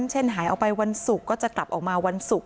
เช่นหายออกไปวันศุกร์ก็จะกลับออกมาวันศุกร์